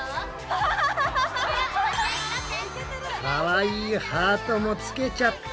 かわいいハートもつけちゃった！